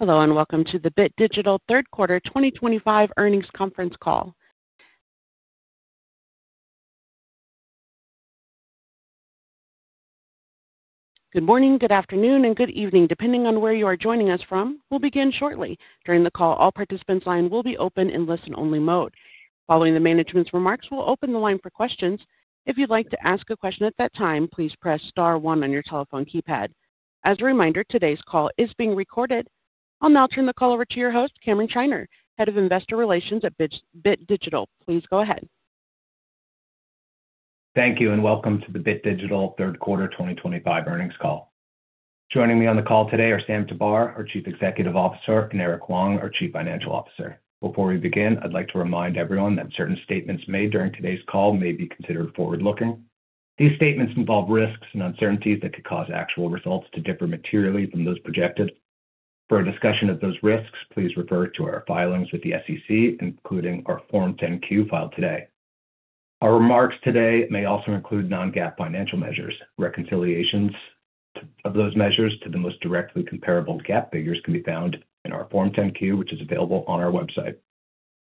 Hello, and welcome to the Bit Digital third quarter 2025 earnings conference call. Good morning, good afternoon, and good evening, depending on where you are joining us from. We'll begin shortly. During the call, all participants' lines will be open in listen-only mode. Following the management's remarks, we'll open the line for questions. If you'd like to ask a question at that time, please press star one on your telephone keypad. As a reminder, today's call is being recorded. I'll now turn the call over to your host, Cameron Schnier, Head of Investor Relations at Bit Digital. Please go ahead. Thank you, and welcome to the Bit Digital third quarter 2025 earnings call. Joining me on the call today are Sam Tabar, our Chief Executive Officer, and Eric Huang, our Chief Financial Officer. Before we begin, I'd like to remind everyone that certain statements made during today's call may be considered forward-looking. These statements involve risks and uncertainties that could cause actual results to differ materially from those projected. For a discussion of those risks, please refer to our filings with the SEC, including our Form 10-Q filed today. Our remarks today may also include non-GAAP financial measures. Reconciliations of those measures to the most directly comparable GAAP figures can be found in our Form 10-Q, which is available on our website.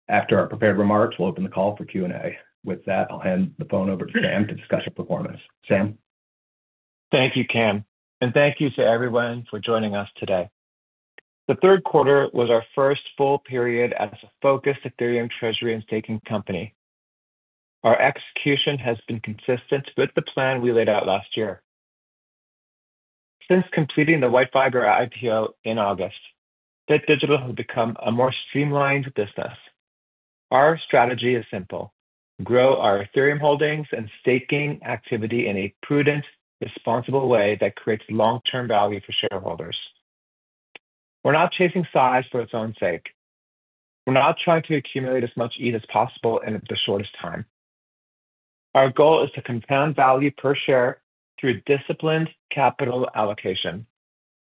After our prepared remarks, we'll open the call for Q&A. With that, I'll hand the phone over to Sam to discuss our performance. Sam? Thank you, Cam, and thank you to everyone for joining us today. The third quarter was our first full period as a focused Ethereum treasury and staking company. Our execution has been consistent with the plan we laid out last year. Since completing the WhiteFiber IPO in August, Bit Digital has become a more streamlined business. Our strategy is simple: grow our Ethereum holdings and staking activity in a prudent, responsible way that creates long-term value for shareholders. We're not chasing size for its own sake. We're not trying to accumulate as much ETH as possible in the shortest time. Our goal is to compound value per share through disciplined capital allocation,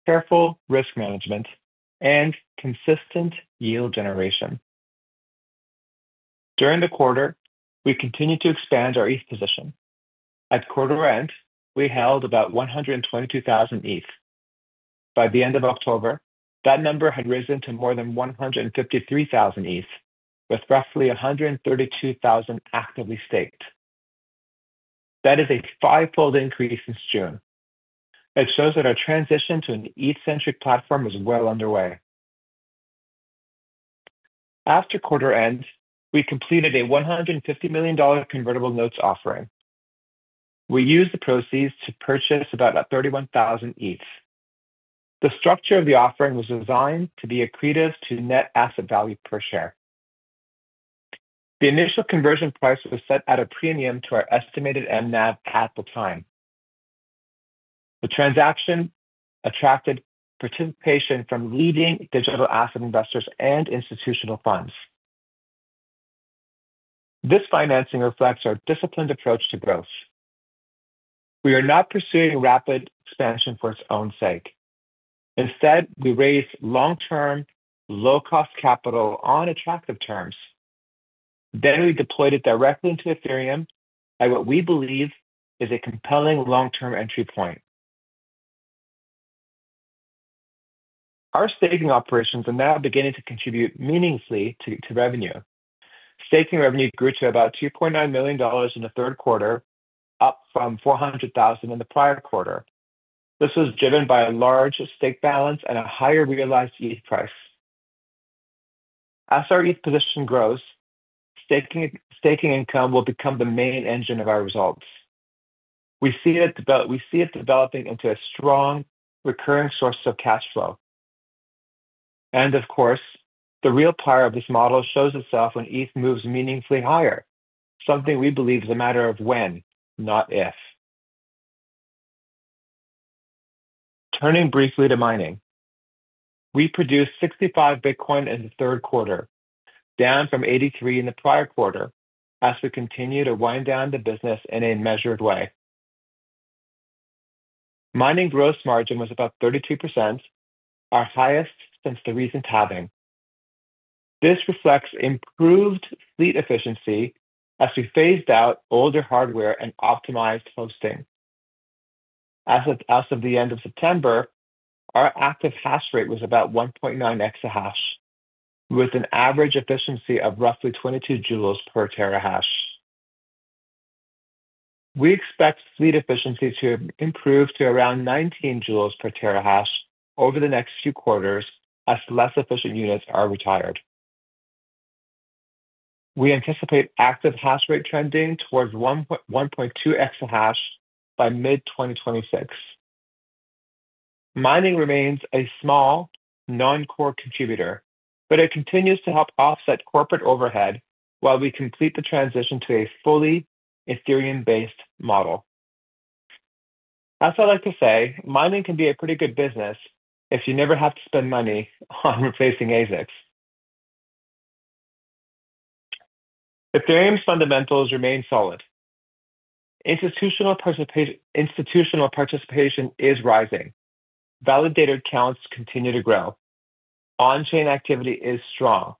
careful risk management, and consistent yield generation. During the quarter, we continued to expand our ETH position. At quarter end, we held about 122,000 ETH. By the end of October, that number had risen to more than 153,000 ETH, with roughly 132,000 actively staked. That is a fivefold increase since June. It shows that our transition to an ETH-centric platform is well underway. After quarter end, we completed a $150 million convertible notes offering. We used the proceeds to purchase about 31,000 ETH. The structure of the offering was designed to be accretive to net asset value per share. The initial conversion price was set at a premium to our estimated mNAV at the time. The transaction attracted participation from leading digital asset investors and institutional funds. This financing reflects our disciplined approach to growth. We are not pursuing rapid expansion for its own sake. Instead, we raised long-term, low-cost capital on attractive terms. Then we deployed it directly into Ethereum at what we believe is a compelling long-term entry point. Our staking operations are now beginning to contribute meaningfully to revenue. Staking revenue grew to about $2.9 million in the third quarter, up from $400,000 in the prior quarter. This was driven by a large stake balance and a higher realized ETH price. As our ETH position grows, staking income will become the main engine of our results. We see it developing into a strong, recurring source of cash flow. Of course, the real power of this model shows itself when ETH moves meaningfully higher, something we believe is a matter of when, not if. Turning briefly to mining, we produced 65 Bitcoin in the third quarter, down from 83 in the prior quarter, as we continue to wind down the business in a measured way. Mining gross margin was about 32%, our highest since the recent halving. This reflects improved fleet efficiency as we phased out older hardware and optimized hosting. As of the end of September, our active hash rate was about 1.9 EH/s, with an average efficiency of roughly 22 joules per terahash. We expect fleet efficiency to improve to around 19 joules per terahash over the next few quarters as less efficient units are retired. We anticipate active hash rate trending towards 1.2 EH/s by mid-2026. Mining remains a small, non-core contributor, but it continues to help offset corporate overhead while we complete the transition to a fully Ethereum-based model. That's all I'd like to say. Mining can be a pretty good business if you never have to spend money on replacing ASICs. Ethereum's fundamentals remain solid. Institutional participation is rising. Validator counts continue to grow. On-chain activity is strong.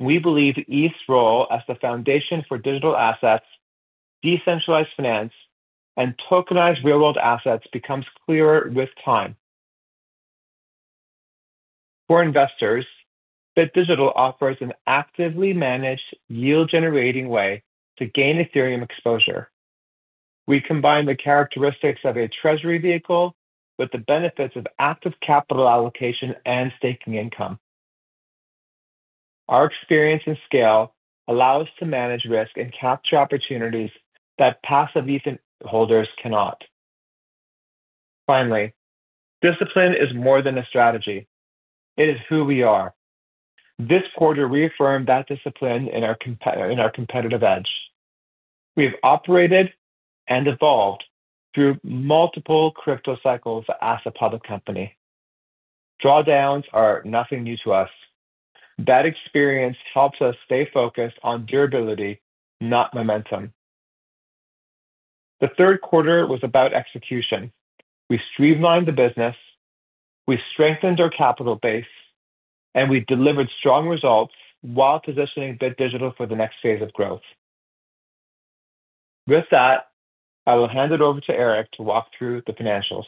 We believe ETH's role as the foundation for digital assets, decentralized finance, and tokenized real-world assets becomes clearer with time. For investors, Bit Digital offers an actively managed, yield-generating way to gain Ethereum exposure. We combine the characteristics of a treasury vehicle with the benefits of active capital allocation and staking income. Our experience and scale allow us to manage risk and capture opportunities that passive ETH holders cannot. Finally, discipline is more than a strategy. It is who we are. This quarter reaffirmed that discipline in our competitive edge. We have operated and evolved through multiple crypto cycles as a public company. Drawdowns are nothing new to us. That experience helps us stay focused on durability, not momentum. The third quarter was about execution. We streamlined the business, we strengthened our capital base, and we delivered strong results while positioning Bit Digital for the next phase of growth. With that, I will hand it over to Eric to walk through the financials.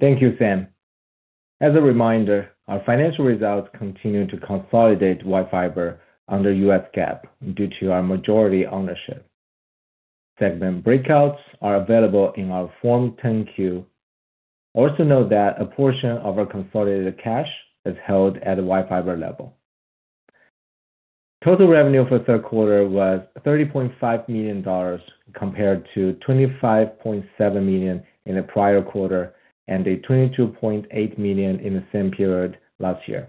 Thank you, Sam. As a reminder, our financial results continue to consolidate WhiteFiber under U.S. GAAP due to our majority ownership. Segment breakouts are available in our Form 10-Q. Also note that a portion of our consolidated cash is held at the WhiteFiber level. Total revenue for the third quarter was $30.5 million compared to $25.7 million in the prior quarter and $22.8 million in the same period last year.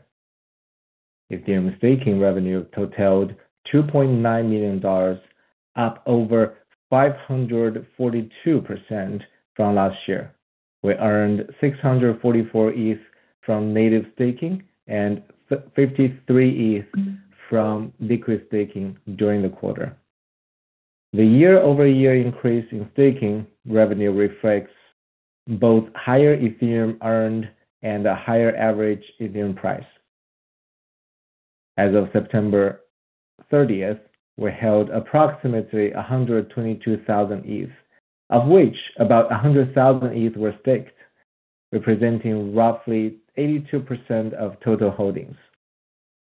Ethereum staking revenue totalled $2.9 million, up over 542% from last year. We earned 644 ETH from native staking and 53 ETH from liquid staking during the quarter. The year-over-year increase in staking revenue reflects both higher Ethereum earned and a higher average Ethereum price. As of September 30th, we held approximately 122,000 ETH, of which about 100,000 ETH were staked, representing roughly 82% of total holdings.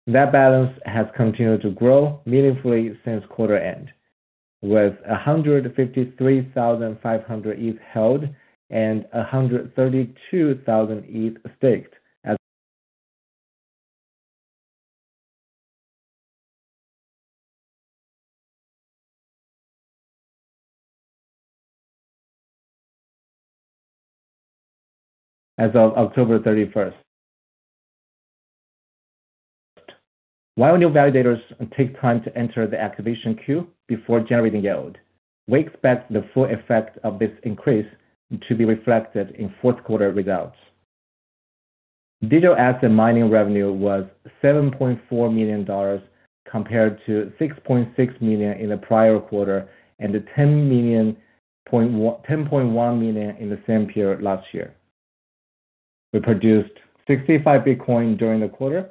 That balance has continued to grow meaningfully since quarter end, with 153,500 ETH held and 132,000 ETH staked. As of October 31st, while new validators take time to enter the activation queue before generating yield, we expect the full effect of this increase to be reflected in fourth quarter results. Digital asset mining revenue was $7.4 million compared to $6.6 million in the prior quarter and $10.1 million in the same period last year. We produced 65 Bitcoin during the quarter.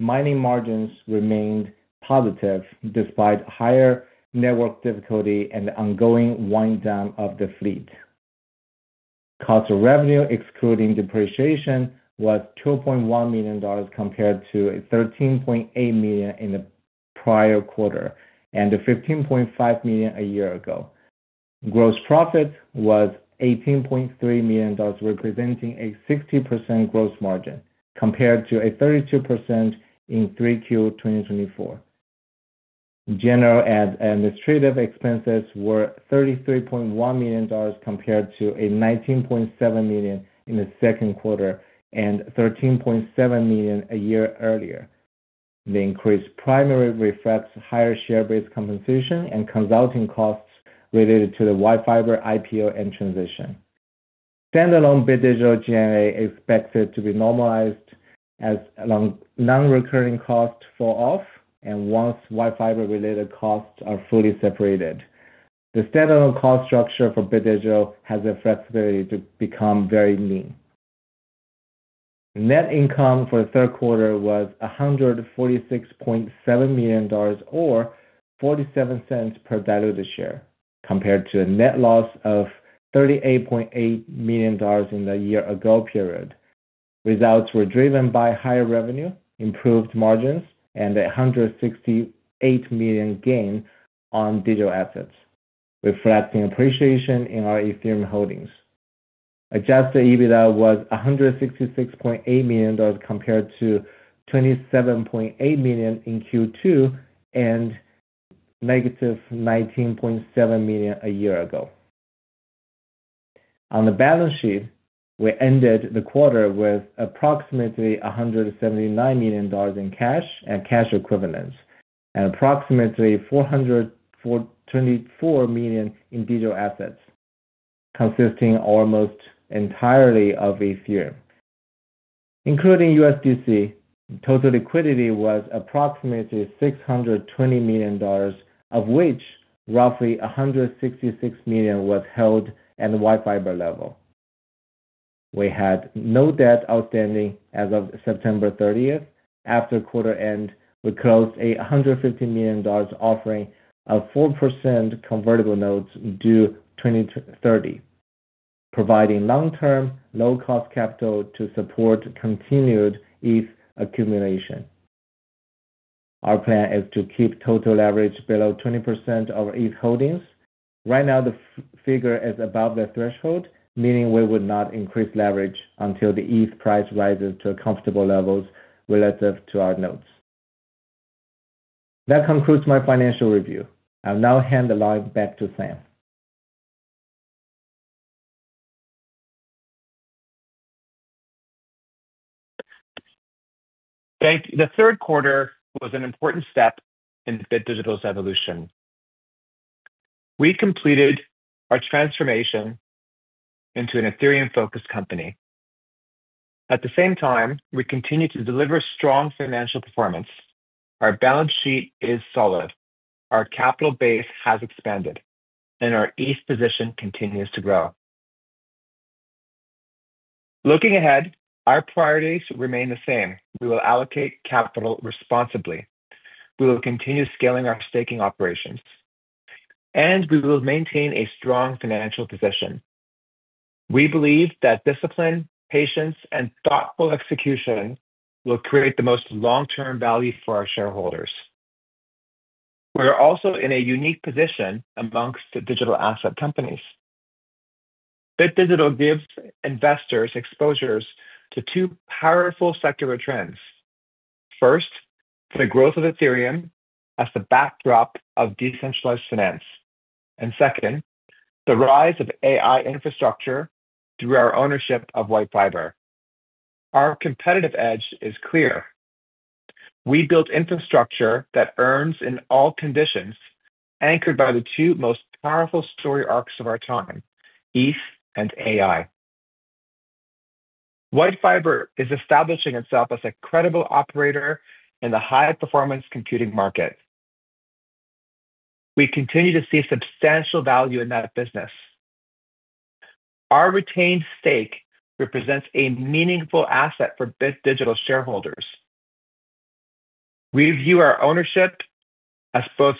Mining margins remained positive despite higher network difficulty and the ongoing wind-down of the fleet. Cost of revenue, excluding depreciation, was $2.1 million compared to $13.8 million in the prior quarter and $15.5 million a year ago. Gross profit was $18.3 million, representing a 60% gross margin compared to a 32% in 3Q 2024. General and administrative expenses were $33.1 million compared to $19.7 million in the second quarter and $13.7 million a year earlier. The increase primarily reflects higher share-based compensation and consulting costs related to the WhiteFiber IPO and transition. Standalone Bit Digital G&A expected to be normalized as non-recurring costs fall off and once WhiteFiber-related costs are fully separated. The standalone cost structure for Bit Digital has the flexibility to become very lean. Net income for the third quarter was $146.7 million, or $0.47 per diluted share, compared to a net loss of $38.8 million in the year-ago period. Results were driven by higher revenue, improved margins, and a $168 million gain on digital assets, reflecting appreciation in our Ethereum holdings. Adjusted EBITDA was $166.8 million compared to $27.8 million in Q2 and -$19.7 million a year ago. On the balance sheet, we ended the quarter with approximately $179 million in cash and cash equivalents, and approximately $424 million in digital assets, consisting almost entirely of Ethereum. Including USDC, total liquidity was approximately $620 million, of which roughly $166 million was held at the WhiteFiber level. We had no debt outstanding as of September 30th. After quarter end, we closed a $150 million offering of 4% convertible notes due 2030, providing long-term low-cost capital to support continued ETH accumulation. Our plan is to keep total leverage below 20% of ETH holdings. Right now, the figure is above the threshold, meaning we would not increase leverage until the ETH price rises to a comfortable level relative to our notes. That concludes my financial review. I'll now hand the line back to Sam. The third quarter was an important step in Bit Digital's evolution. We completed our transformation into an Ethereum-focused company. At the same time, we continue to deliver strong financial performance. Our balance sheet is solid. Our capital base has expanded, and our ETH position continues to grow. Looking ahead, our priorities remain the same. We will allocate capital responsibly. We will continue scaling our staking operations, and we will maintain a strong financial position. We believe that discipline, patience, and thoughtful execution will create the most long-term value for our shareholders. We are also in a unique position amongst the digital asset companies. Bit Digital gives investors exposures to two powerful sectoral trends. First, the growth of Ethereum as the backdrop of decentralized finance. Second, the rise of AI infrastructure through our ownership of WhiteFiber. Our competitive edge is clear. We built infrastructure that earns in all conditions, anchored by the two most powerful story arcs of our time, ETH and AI. WhiteFiber is establishing itself as a credible operator in the high-performance computing market. We continue to see substantial value in that business. Our retained stake represents a meaningful asset for Bit Digital shareholders. We view our ownership as both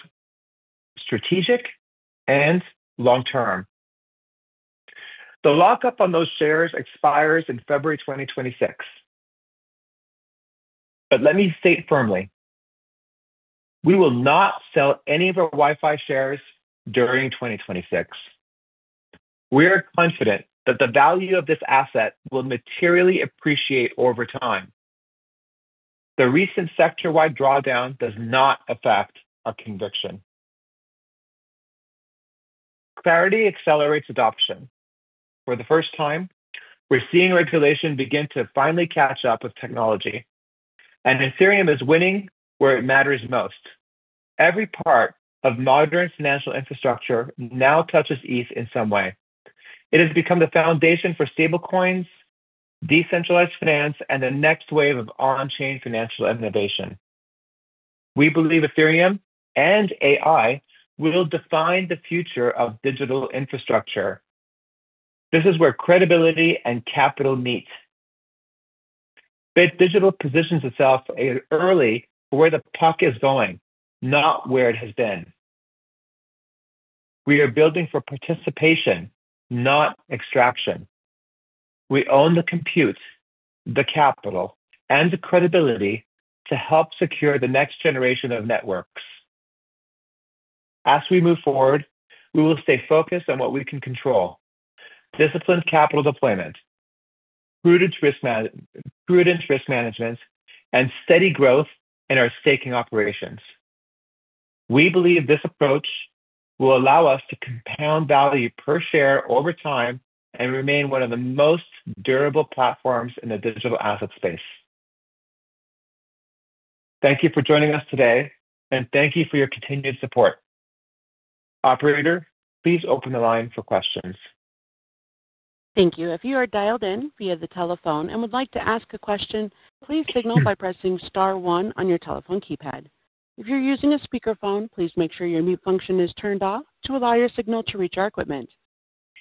strategic and long-term. The lockup on those shares expires in February 2026. Let me state firmly, we will not sell any of our WhiteFiber shares during 2026. We are confident that the value of this asset will materially appreciate over time. The recent sector-wide drawdown does not affect our conviction. Clarity accelerates adoption. For the first time, we are seeing regulation begin to finally catch up with technology. Ethereum is winning where it matters most. Every part of modern financial infrastructure now touches ETH in some way. It has become the foundation for stablecoins, decentralized finance, and the next wave of on-chain financial innovation. We believe Ethereum and AI will define the future of digital infrastructure. This is where credibility and capital meet. Bit Digital positions itself early for where the puck is going, not where it has been. We are building for participation, not extraction. We own the compute, the capital, and the credibility to help secure the next generation of networks. As we move forward, we will stay focused on what we can control: disciplined capital deployment, prudent risk management, and steady growth in our staking operations. We believe this approach will allow us to compound value per share over time and remain one of the most durable platforms in the digital asset space. Thank you for joining us today, and thank you for your continued support. Operator, please open the line for questions. Thank you. If you are dialed in via the telephone and would like to ask a question, please signal by pressing star one on your telephone keypad. If you're using a speakerphone, please make sure your mute function is turned off to allow your signal to reach our equipment.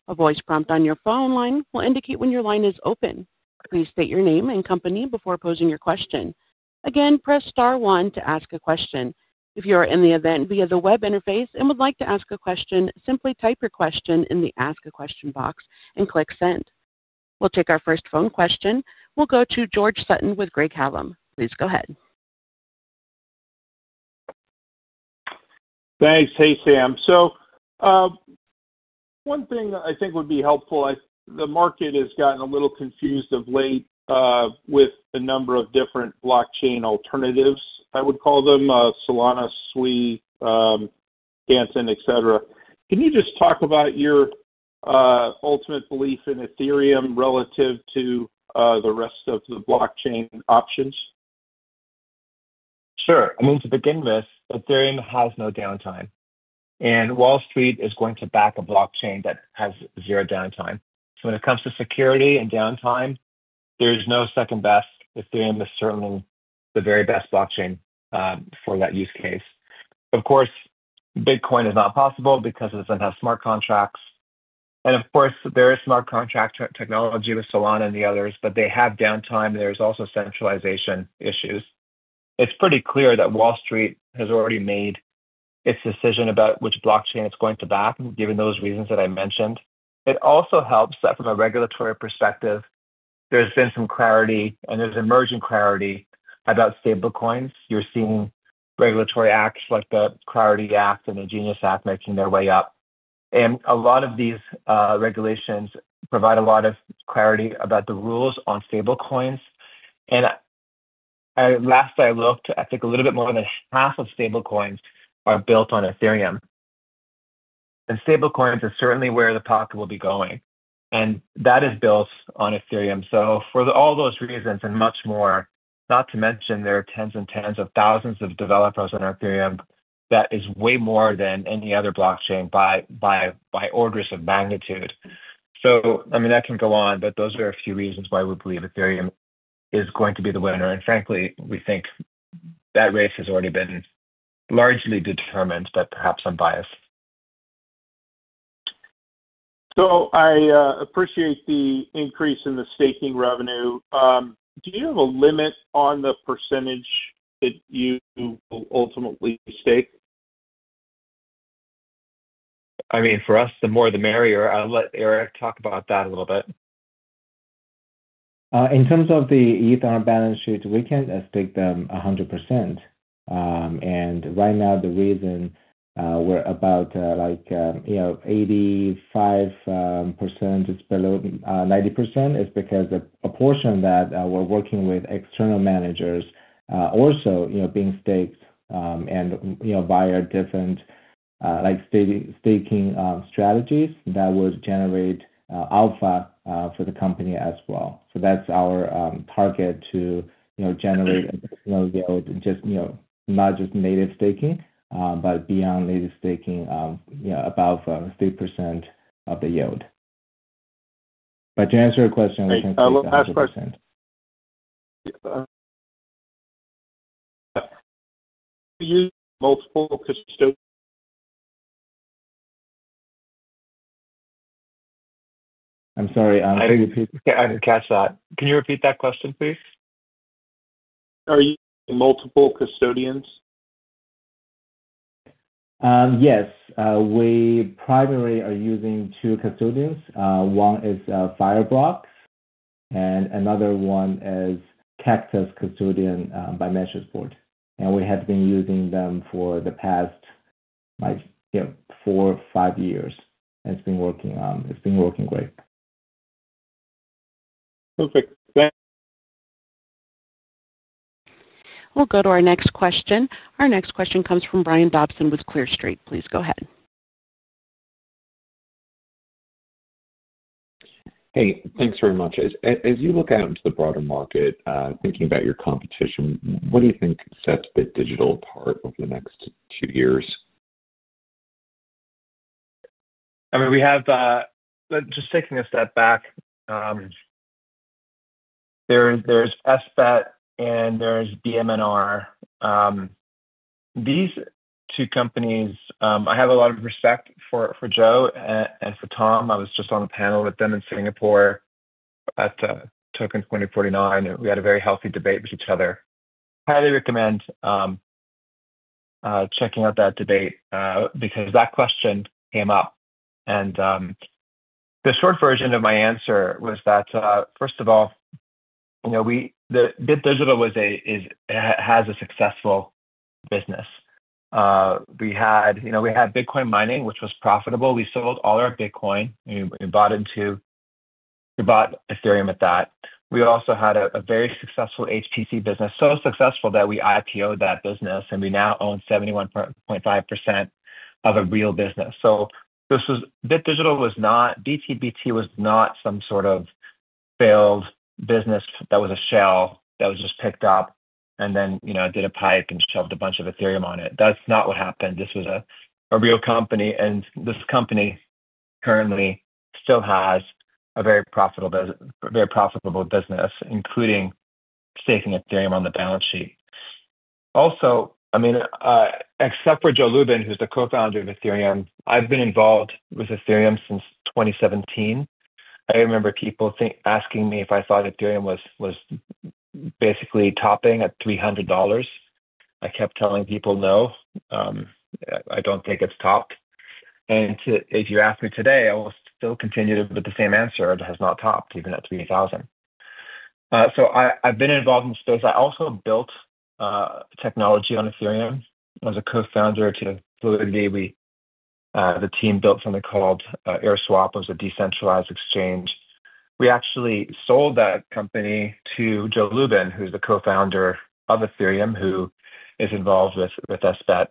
A voice prompt on your phone line will indicate when your line is open. Please state your name and company before posing your question. Again, press star one to ask a question. If you are in the event via the web interface and would like to ask a question, simply type your question in the Ask a Question box and click Send. We'll take our first phone question. We'll go to George Sutton with Craig-Hallum. Please go ahead. Thanks. Hey, Sam. One thing I think would be helpful, the market has gotten a little confused of late with a number of different blockchain alternatives, I would call them, Solana, Sui, Canton, etc. Can you just talk about your ultimate belief in Ethereum relative to the rest of the blockchain options? Sure. I mean, to begin with, Ethereum has no downtime. Wall Street is going to back a blockchain that has zero downtime. When it comes to security and downtime, there is no second best. Ethereum is certainly the very best blockchain for that use case. Of course, Bitcoin is not possible because it does not have smart contracts. Of course, there is smart contract technology with Solana and the others, but they have downtime. There are also centralization issues. It is pretty clear that Wall Street has already made its decision about which blockchain it is going to back, given those reasons that I mentioned. It also helps that from a regulatory perspective, there has been some clarity, and there is emerging clarity about stablecoins. You are seeing regulatory acts like the Clarity Act and the GENIUS Act making their way up. A lot of these regulations provide a lot of clarity about the rules on stablecoins. Last I looked, I think a little bit more than half of stablecoins are built on Ethereum. Stablecoins are certainly where the puck will be going. That is built on Ethereum. For all those reasons and much more, not to mention there are tens and tens of thousands of developers on Ethereum, that is way more than any other blockchain by orders of magnitude. I mean, I can go on, but those are a few reasons why we believe Ethereum is going to be the winner. Frankly, we think that race has already been largely determined, but perhaps I'm biased. I appreciate the increase in the staking revenue. Do you have a limit on the percentage that you will ultimately stake? I mean, for us, the more the merrier. I'll let Eric talk about that a little bit. In terms of the ETH on our balance sheet, we can stake them 100%. Right now, the reason we're about 85%, just below 90%, is because a portion that we're working with external managers is also being staked and via different staking strategies that would generate alpha for the company as well. That's our target to generate additional yield, not just native staking, but beyond native staking, above 3% of the yield. To answer your question, we can stake 100%. I'll ask questions. Do you use multiple custodians? I'm sorry. I didn't catch that. Can you repeat that question, please? Are you using multiple custodians? Yes. We primarily are using two custodians. One is Fireblocks, and another one is Cactus Custodian by Matrixport. And we have been using them for the past four, five years. It's been working great. Perfect. Thanks. We'll go to our next question. Our next question comes from Brian Dobson with Clear Street. Please go ahead. Hey, thanks very much. As you look out into the broader market, thinking about your competition, what do you think sets Bit Digital apart over the next two years? I mean, we have, just taking a step back, there's SBET and there's BMNR. These two companies, I have a lot of respect for Joe and for Tom. I was just on a panel with them in Singapore at TOKEN2049. We had a very healthy debate with each other. Highly recommend checking out that debate because that question came up. The short version of my answer was that, first of all, Bit Digital has a successful business. We had Bitcoin mining, which was profitable. We sold all our Bitcoin. We bought Ethereum at that. We also had a very successful HTC business, so successful that we IPO'd that business, and we now own 71.5% of a real business. Bit Digital was not, BTBT was not some sort of failed business that was a shell that was just picked up and then did a pipe and shoved a bunch of Ethereum on it. That is not what happened. This was a real company. And this company currently still has a very profitable business, including staking Ethereum on the balance sheet. Also, I mean, except for Joe Lubin, who is the co-founder of Ethereum, I have been involved with Ethereum since 2017. I remember people asking me if I thought Ethereum was basically topping at $300. I kept telling people, "No, I do not think it has topped." If you ask me today, I will still continue with the same answer. It has not topped even at $3,000. I have been involved in those. I also built technology on Ethereum. I was a co-founder to Fluidity. The team built something called AirSwap. It was a decentralized exchange. We actually sold that company to Joe Lubin, who's the co-founder of Ethereum, who is involved with SBET.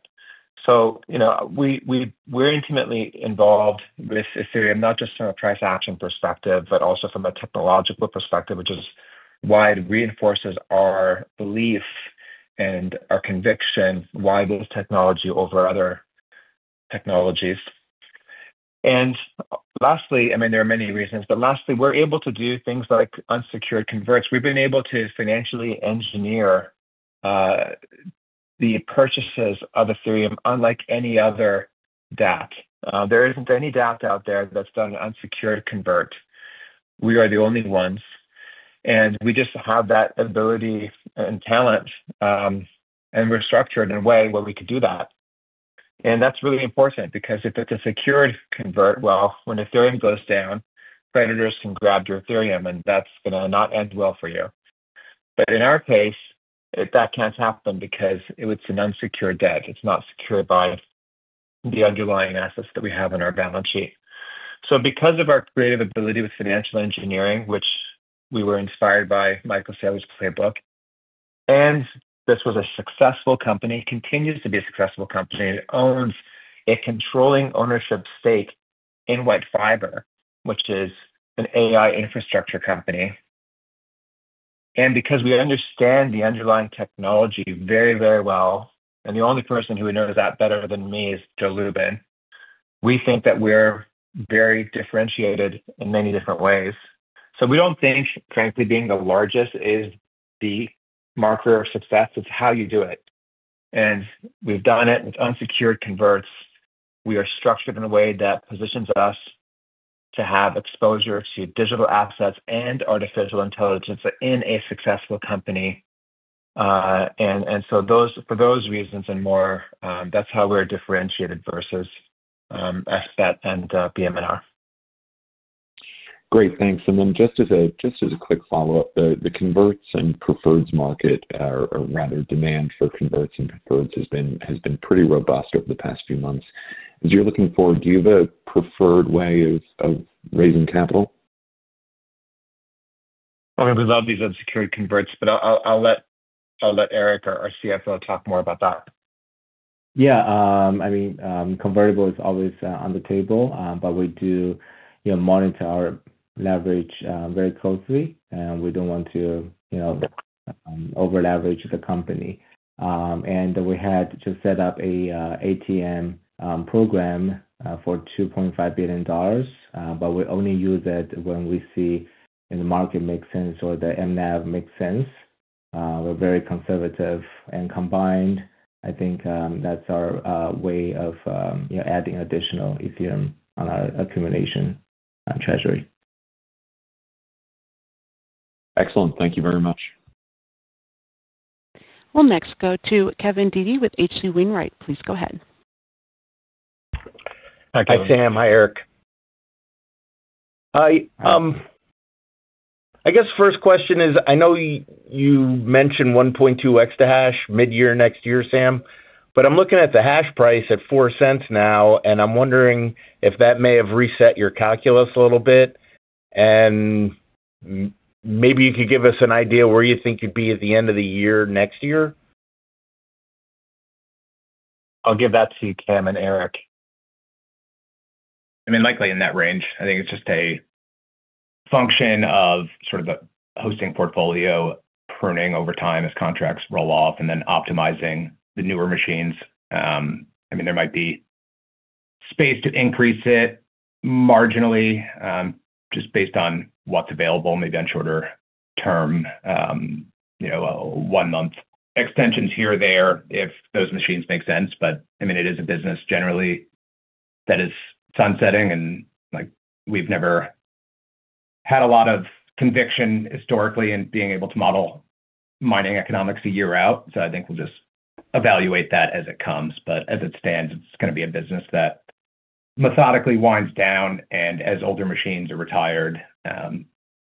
We are intimately involved with Ethereum, not just from a price action perspective, but also from a technological perspective, which is why it reinforces our belief and our conviction, why this technology over other technologies. Lastly, I mean, there are many reasons, but lastly, we're able to do things like unsecured converts. We've been able to financially engineer the purchases of Ethereum unlike any other DATT. There isn't any DATT out there that's done an unsecured convert. We are the only ones. We just have that ability and talent, and we're structured in a way where we could do that. That is really important because if it is a secured convert, when Ethereum goes down, creditors can grab your Ethereum, and that is not going to end well for you. In our case, that cannot happen because it is an unsecured debt. It is not secured by the underlying assets that we have on our balance sheet. Because of our creative ability with financial engineering, which we were inspired by Michael Saylor's playbook, and this was a successful company, continues to be a successful company, it owns a controlling ownership stake in WhiteFiber, which is an AI infrastructure company. Because we understand the underlying technology very, very well, and the only person who knows that better than me is Joe Lubin, we think that we are very differentiated in many different ways. We do not think, frankly, being the largest is the marker of success. It is how you do it. We have done it with unsecured converts. We are structured in a way that positions us to have exposure to digital assets and artificial intelligence in a successful company. For those reasons and more, that is how we are differentiated versus SBET and BMNR. Great. Thanks. Just as a quick follow-up, the converts and preferreds market, or rather demand for converts and preferreds, has been pretty robust over the past few months. As you're looking forward, do you have a preferred way of raising capital? I mean, we love these unsecured converts, but I'll let Eric or our CFO talk more about that. Yeah. I mean, convertible is always on the table, but we do monitor our leverage very closely, and we don't want to over-leverage the company. We had to set up an ATM program for $2.5 billion, but we only use it when we see in the market makes sense or the mNAV makes sense. We're very conservative. Combined, I think that's our way of adding additional Ethereum on our accumulation treasury. Excellent. Thank you very much. We'll next go to Kevin Dede with H.C. Wainwright. Please go ahead. Hi, Sam. Hi, Eric. I guess first question is, I know you mentioned 1.2x to hash mid-year next year, Sam, but I'm looking at the hash price at $0.04 now, and I'm wondering if that may have reset your calculus a little bit? And maybe you could give us an idea where you think you'd be at the end of the year next year? I'll give that to you, Cam and Eric. I mean, likely in that range. I think it's just a function of sort of the hosting portfolio pruning over time as contracts roll off and then optimizing the newer machines. I mean, there might be space to increase it marginally just based on what's available, maybe on shorter term, one-month extensions here or there if those machines make sense. I mean, it is a business generally that is sunsetting, and we've never had a lot of conviction historically in being able to model mining economics a year out. I think we'll just evaluate that as it comes. As it stands, it's going to be a business that methodically winds down, and as older machines are retired,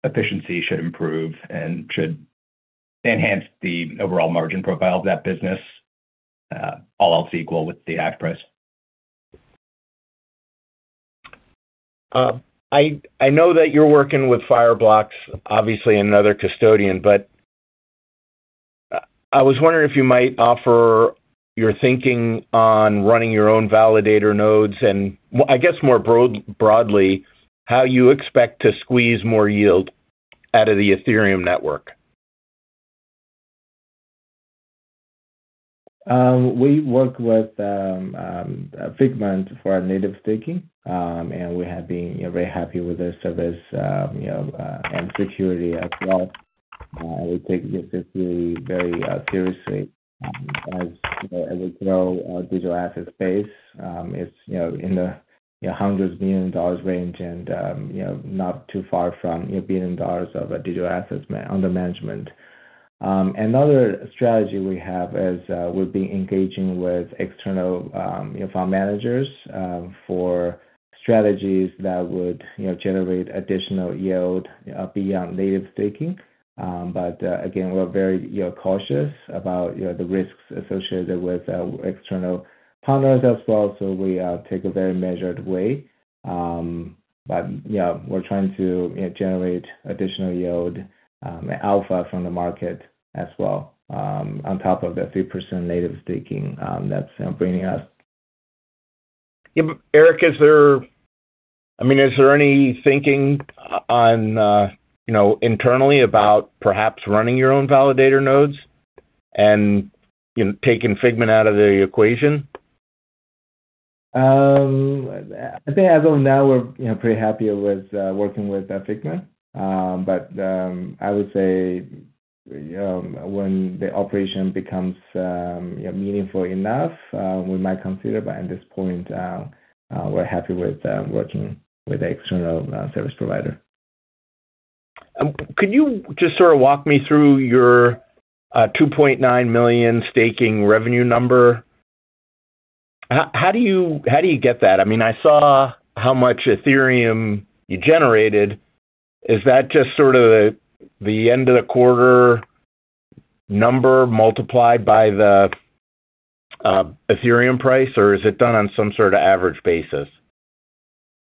efficiency should improve and should enhance the overall margin profile of that business, all else equal with the hash price. I know that you're working with Fireblocks, obviously, and another custodian, but I was wondering if you might offer your thinking on running your own validator nodes and, I guess, more broadly, how you expect to squeeze more yield out of the Ethereum network? We work with Figment for our native staking, and we have been very happy with their service and security as well. We take this very seriously. As we grow, our digital asset space is in the hundreds of million dollars range and not too far from billion dollars of digital assets under management. Another strategy we have is we've been engaging with external fund managers for strategies that would generate additional yield beyond native staking. Again, we're very cautious about the risks associated with external partners as well. We take a very measured way. Yeah, we're trying to generate additional yield and alpha from the market as well on top of the 3% native staking that's bringing us. Eric, I mean, is there any thinking internally about perhaps running your own validator nodes and taking Figment out of the equation? I think as of now, we're pretty happy with working with Figment. I would say when the operation becomes meaningful enough, we might consider. At this point, we're happy with working with the external service provider. Could you just sort of walk me through your $2.9 million staking revenue number? How do you get that? I mean, I saw how much Ethereum you generated. Is that just sort of the end of the quarter number multiplied by the Ethereum price, or is it done on some sort of average basis?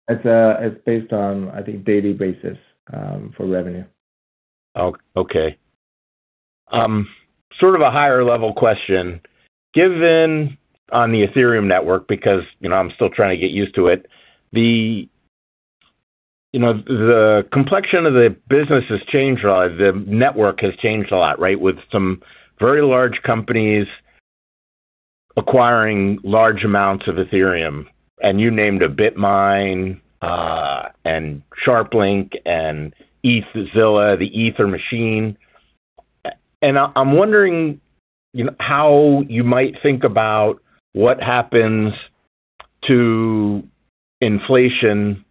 It's based on, I think, daily basis for revenue. Okay. Sort of a higher-level question. Given on the Ethereum network, because I'm still trying to get used to it, the complexion of the business has changed a lot. The network has changed a lot, right, with some very large companies acquiring large amounts of Ethereum. You named BitMine and SharpLink and ETHZilla, The Ether Machine. I'm wondering how you might think about what happens to inflation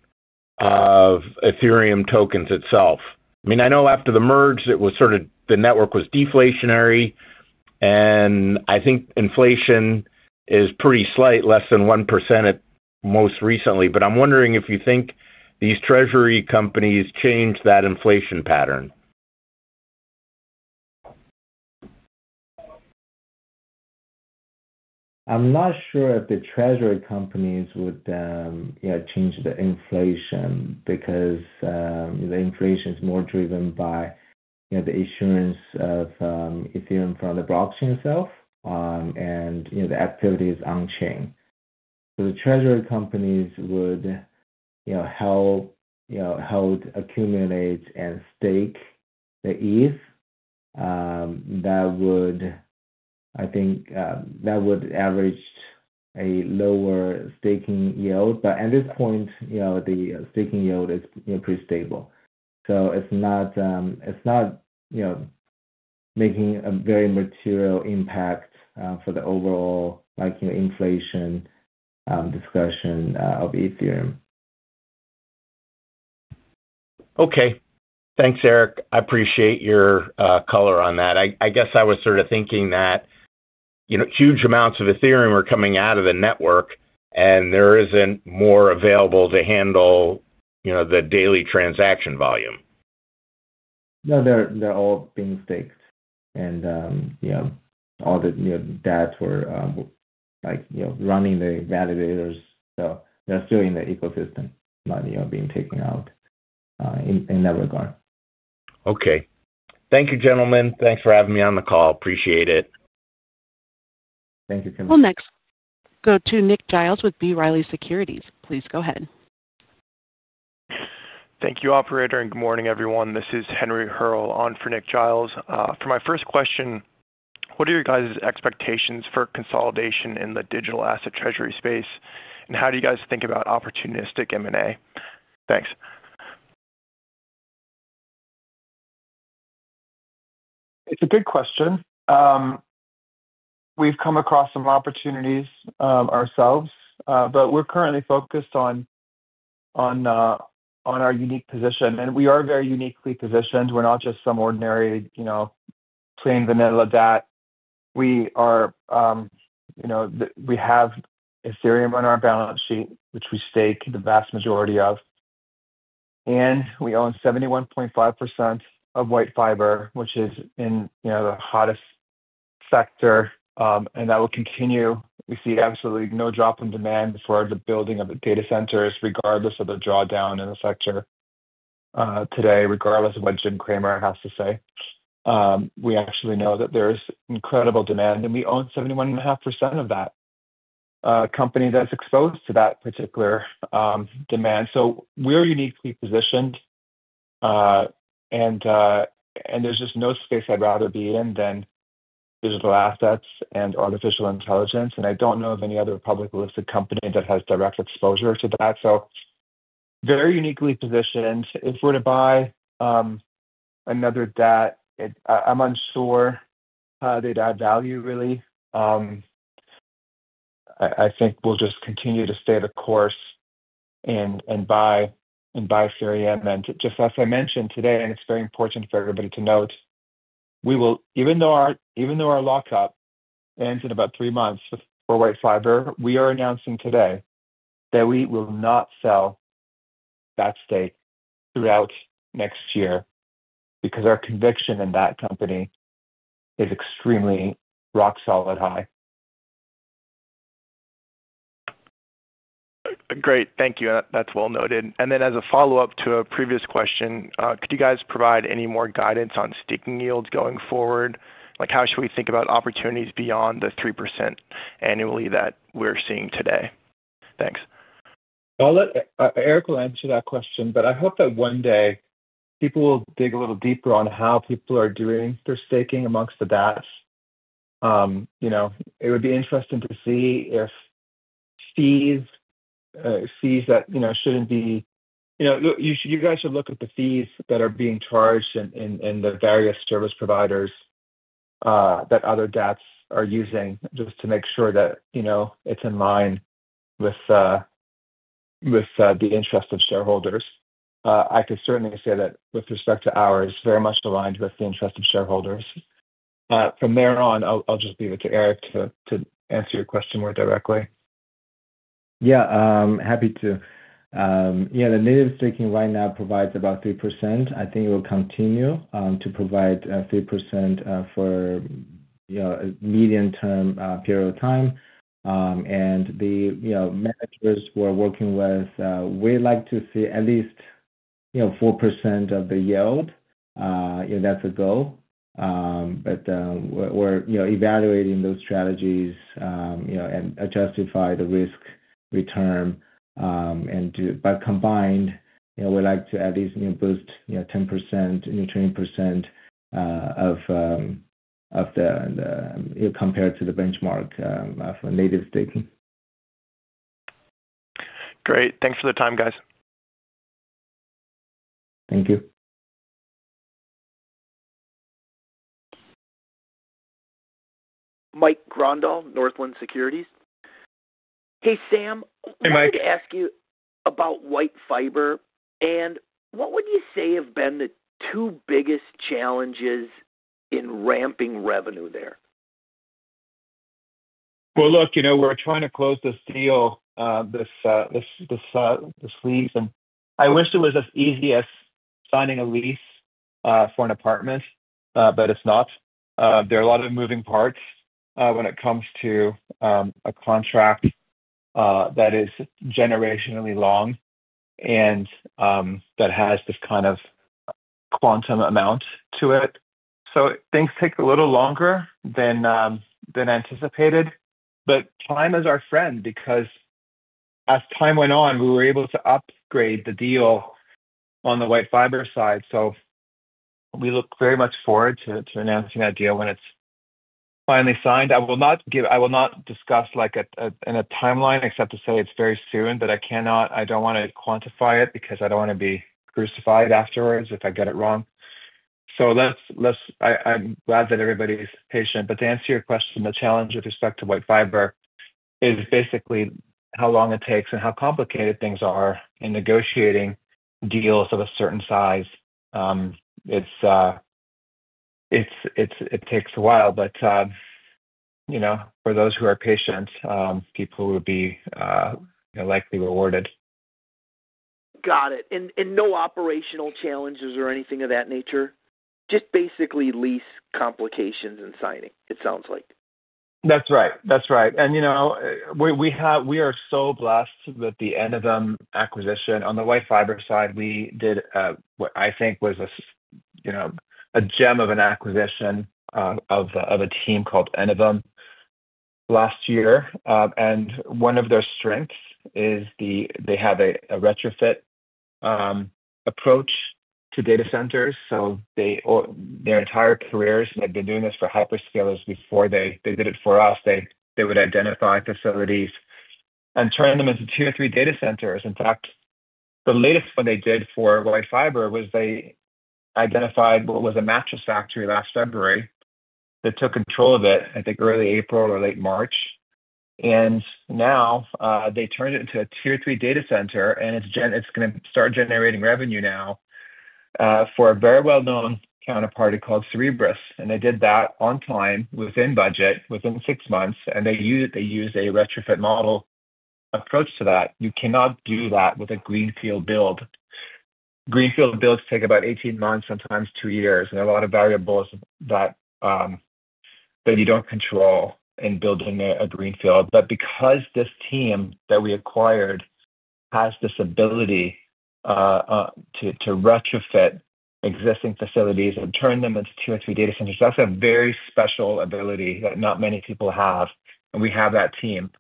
of Ethereum tokens itself? I mean, I know after the merge, it was sort of the network was deflationary, and I think inflation is pretty slight, less than 1% most recently. I'm wondering if you think these treasury companies change that inflation pattern. I'm not sure if the treasury companies would change the inflation because the inflation is more driven by the issuance of Ethereum from the blockchain itself and the activities on-chain. The treasury companies would help accumulate and stake the ETH. That would, I think, average a lower staking yield. At this point, the staking yield is pretty stable. It is not making a very material impact for the overall inflation discussion of Ethereum. Okay. Thanks, Eric. I appreciate your color on that. I guess I was sort of thinking that huge amounts of Ethereum are coming out of the network, and there is not more available to handle the daily transaction volume. No, they're all being staked. Yeah, all the DATT were running the validators. They're still in the ecosystem, not being taken out in that regard. Okay. Thank you, gentlemen. Thanks for having me on the call. Appreciate it. Thank you. We'll next go to Nick Giles with B. Riley Securities. Please go ahead. Thank you, Operator. Good morning, everyone. This is Henry Hearle on for Nick Giles. For my first question, what are your guys' expectations for consolidation in the digital asset treasury space, and how do you guys think about opportunistic M&A? Thanks. It's a good question. We've come across some opportunities ourselves, but we're currently focused on our unique position. We are very uniquely positioned. We're not just some ordinary plain vanilla DATT. We have Ethereum on our balance sheet, which we stake the vast majority of. We own 71.5% of WhiteFiber, which is in the hottest sector, and that will continue. We see absolutely no drop in demand for the building of the data centers, regardless of the drawdown in the sector today, regardless of what Jim Cramer has to say. We actually know that there is incredible demand, and we own 71.5% of that company that's exposed to that particular demand. We are uniquely positioned, and there's just no space I'd rather be in than digital assets and artificial intelligence. I don't know of any other publicly listed company that has direct exposure to that. Very uniquely positioned. If we're to buy another DATT, I'm unsure how they'd add value, really. I think we'll just continue to stay the course and buy Ethereum. Just as I mentioned today, and it's very important for everybody to note, even though our lockup ends in about three months for WhiteFiber, we are announcing today that we will not sell that stake throughout next year because our conviction in that company is extremely rock-solid high. Great. Thank you. That is well noted. As a follow-up to a previous question, could you guys provide any more guidance on staking yields going forward? How should we think about opportunities beyond the 3% annually that we are seeing today? Thanks. Eric will answer that question, but I hope that one day people will dig a little deeper on how people are doing their staking amongst the DATTs. It would be interesting to see if fees that should not be, you guys should look at the fees that are being charged in the various service providers that other DATTs are using just to make sure that it is in line with the interest of shareholders. I could certainly say that with respect to ours, very much aligned with the interest of shareholders. From there on, I will just leave it to Eric to answer your question more directly. Yeah. Happy to. Yeah. The native staking right now provides about 3%. I think it will continue to provide 3% for a medium-term period of time. The managers who are working with, we'd like to see at least 4% of the yield. That's a goal. We're evaluating those strategies and justify the risk return. Combined, we'd like to at least boost 10%-20% of the compared to the benchmark for native staking. Great. Thanks for the time, guys. Thank you. Mike Grondahl, Northland Securities. Hey, Sam. I wanted to ask you about WhiteFiber. What would you say have been the two biggest challenges in ramping revenue there? Look, we're trying to close the deal, the sleeve. I wish it was as easy as signing a lease for an apartment, but it's not. There are a lot of moving parts when it comes to a contract that is generationally long and that has this kind of quantum amount to it. Things take a little longer than anticipated. Time is our friend because as time went on, we were able to upgrade the deal on the WhiteFiber side. We look very much forward to announcing that deal when it's finally signed. I will not discuss a timeline except to say it's very soon, but I don't want to quantify it because I don't want to be crucified afterwards if I get it wrong. I'm glad that everybody's patient. To answer your question, the challenge with respect to WhiteFiber is basically how long it takes and how complicated things are in negotiating deals of a certain size. It takes a while. For those who are patient, people would be likely rewarded. Got it. No operational challenges or anything of that nature? Just basically lease complications and signing, it sounds like. That's right. That's right. We are so blessed with the Enivum acquisition. On the WhiteFiber side, we did what I think was a gem of an acquisition of a team called Enovum last year. One of their strengths is they have a retrofit approach to data centers. Their entire careers, they've been doing this for hyperscalers before they did it for us. They would identify facilities and turn them into two or three data centers. In fact, the latest one they did for WhiteFiber was they identified what was a mattress factory last February, took control of it, I think early April or late March. Now they turned it into a tier three data center, and it's going to start generating revenue now for a very well-known counterparty called Cerebras. They did that on time, within budget, within six months. They use a retrofit model approach to that. You cannot do that with a greenfield build. Greenfield builds take about 18 months, sometimes two years. There are a lot of variables that you do not control in building a greenfield. Because this team that we acquired has this ability to retrofit existing facilities and turn them into tier three data centers, that is a very special ability that not many people have. We have that team.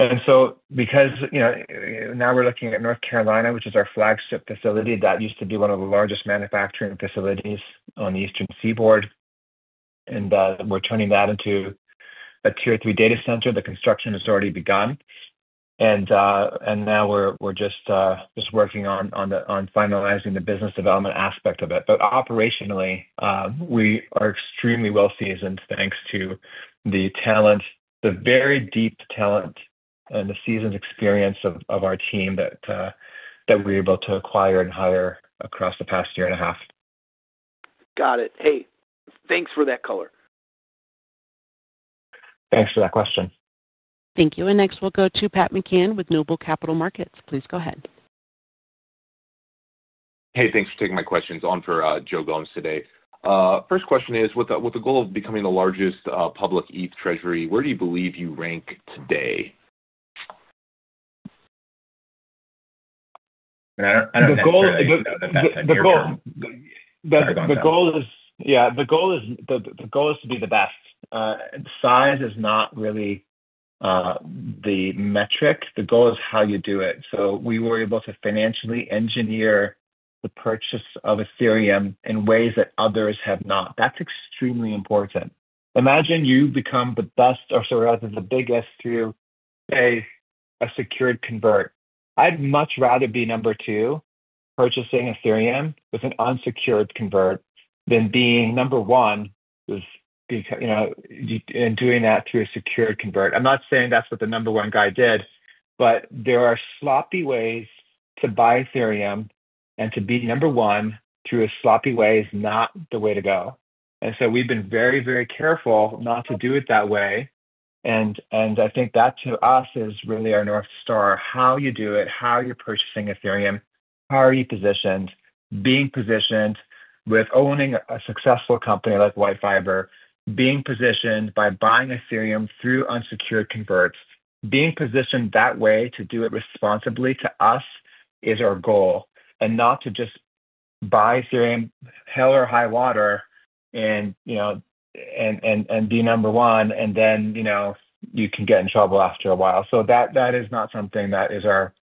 Now we are looking at North Carolina, which is our flagship facility, that used to be one of the largest manufacturing facilities on the Eastern Seaboard. We are turning that into a tier three data center. The construction has already begun. Now we are just working on finalizing the business development aspect of it. Operationally, we are extremely well-seasoned thanks to the talent, the very deep talent, and the seasoned experience of our team that we were able to acquire and hire across the past year and a half. Got it. Hey, thanks for that color. Thanks for that question. Thank you. Next, we'll go to Pat McCann with NOBLE Capital Markets. Please go ahead. Hey, thanks for taking my questions. On for Joe Gomes today. First question is, with the goal of becoming the largest public ETH treasury, where do you believe you rank today? The goal is, yeah, the goal is to be the best. Size is not really the metric. The goal is how you do it. So we were able to financially engineer the purchase of Ethereum in ways that others have not. That's extremely important. Imagine you become the best or the biggest through a secured convert. I'd much rather be number two purchasing Ethereum with an unsecured convert than being number one in doing that through a secured convert. I'm not saying that's what the number one guy did, but there are sloppy ways to buy Ethereum and to be number one through a sloppy way is not the way to go. We have been very, very careful not to do it that way. I think that to us is really our north star. How you do it, how you're purchasing Ethereum, how are you positioned, being positioned with owning a successful company like WhiteFiber, being positioned by buying Ethereum through unsecured converts, being positioned that way to do it responsibly to us is our goal. Not to just buy Ethereum hell or high water and be number one, and then you can get in trouble after a while. That is not something that is our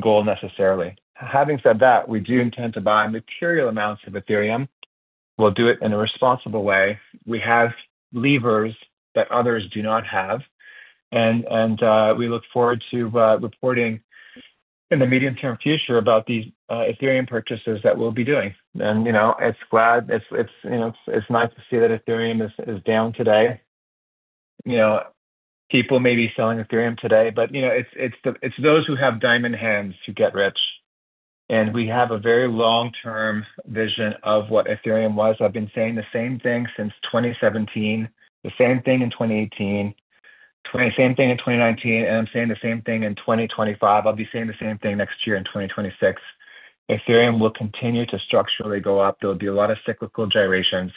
goal necessarily. Having said that, we do intend to buy material amounts of Ethereum. We'll do it in a responsible way. We have levers that others do not have. We look forward to reporting in the medium-term future about these Ethereum purchases that we'll be doing. It's nice to see that Ethereum is down today. People may be selling Ethereum today, but it's those who have diamond hands who get rich. We have a very long-term vision of what Ethereum was. I've been saying the same thing since 2017, the same thing in 2018, same thing in 2019, and I'm saying the same thing in 2025. I'll be saying the same thing next year in 2026. Ethereum will continue to structurally go up. There will be a lot of cyclical gyrations.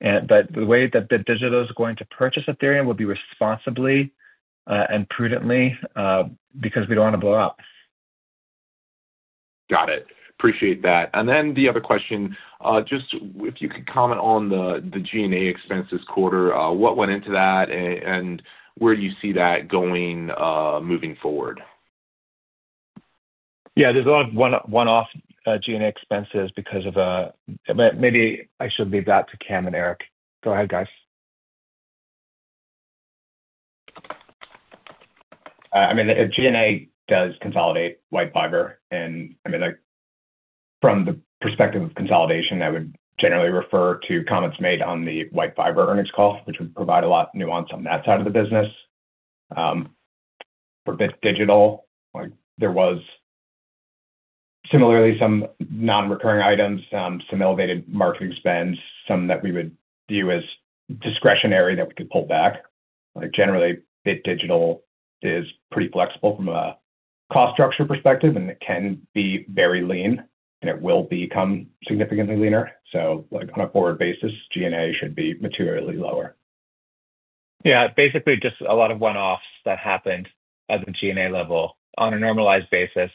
The way that the digitals are going to purchase Ethereum will be responsibly and prudently because we don't want to blow up. Got it. Appreciate that. The other question, just if you could comment on the G&A expenses quarter, what went into that, and where do you see that going moving forward? Yeah. There's a lot of one-off G&A expenses because of a—maybe I should leave that to Cam and Eric. Go ahead, guys. I mean, G&A does consolidate WhiteFiber. I mean, from the perspective of consolidation, I would generally refer to comments made on the WhiteFiber earnings call, which would provide a lot of nuance on that side of the business. For Bit Digital, there was similarly some non-recurring items, some elevated marketing spends, some that we would view as discretionary that we could pull back. Generally, Bit Digital is pretty flexible from a cost structure perspective, and it can be very lean, and it will become significantly leaner. On a forward basis, G&A should be materially lower. Yeah. Basically, just a lot of one-offs that happened at the G&A level. On a normalized basis,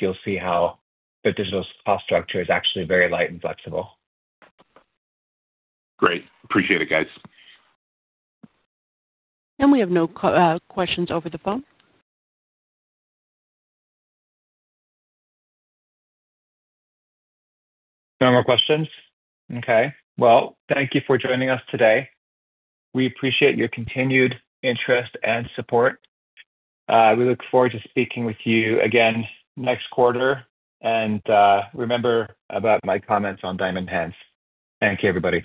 you'll see how Bit Digital's cost structure is actually very light and flexible. Great. Appreciate it, guys. We have no questions over the phone. No more questions? Okay. Thank you for joining us today. We appreciate your continued interest and support. We look forward to speaking with you again next quarter. And remember about my comments on diamond hands. Thank you, everybody.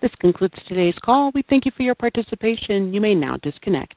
This concludes today's call. We thank you for your participation. You may now disconnect.